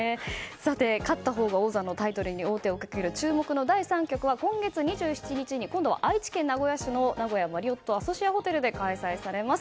勝ったほうが王座のタイトルに王手をかける注目の第３局は今月２７日に今度は愛知県名古屋市の名古屋マリオットアソシアホテルで開催されます。